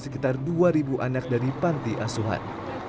sekitar dua anak dari panti asuhan